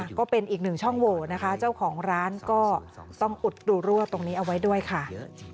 ก็เป็นอีกหนึ่งช่องโหวนะคะเจ้าของร้านก็ต้องอุดดูรั่วตรงนี้เอาไว้ด้วยค่ะ